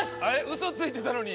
嘘ついてんのに。